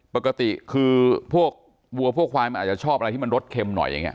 ปกติคือพวกวัวพวกควายมันอาจจะชอบอะไรที่มันรสเค็มหน่อยอย่างนี้